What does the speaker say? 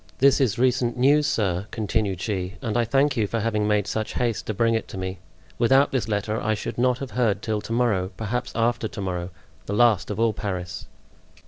This is recent news, sir," continued she, "and I thank you for having made such haste to bring it to me; without this letter I should not have heard till to morrow, perhaps after to morrow—the last of all Paris."